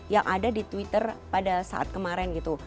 yang ada di twitter pada saat kemarin gitu